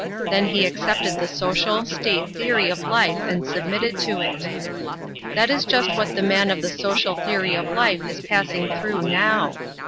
Then he accepted the social, state theory of life and submitted to it. That is just what the man of the social theory of life is passing through now.